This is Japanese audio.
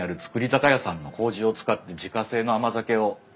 酒屋さんのこうじを使って自家製の甘酒をつくっておりまして。